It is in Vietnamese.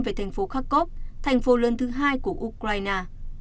về thành phố kharkov thành phố lớn thứ hai của ukraine